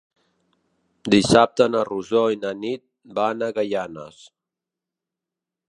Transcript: Dissabte na Rosó i na Nit van a Gaianes.